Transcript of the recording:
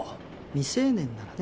未成年ならね。